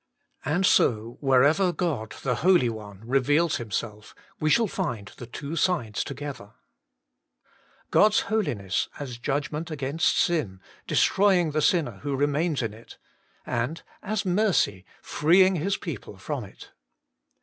And so wherever God the Holy One reveals Him HOLINESS AND KEVELATION. 39 self, we shall find the two sides together : God's Holiness as judgment against sin, destroying the sinner who remains in it, and as Mercy freeing His people from it.